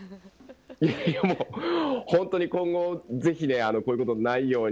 いやもう、本当に今後、ぜひね、こういうことのないように。